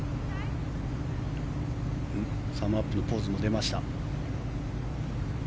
サムアップのポーズも出ました。